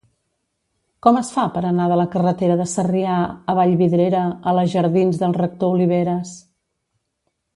Com es fa per anar de la carretera de Sarrià a Vallvidrera a la jardins del Rector Oliveras?